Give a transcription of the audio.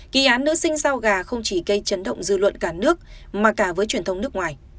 kỳ án nữ sinh giao gà không chỉ gây chấn động dư luận cả nước mà cả với truyền thông nước ngoài